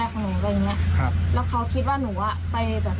แล้วคือยืนรอเขาเคลียร์ปัญหากันแล้วคือหนูก็ยืนกินอะไรของหนู